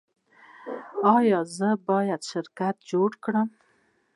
ایا زه باید شرکت جوړ کړم؟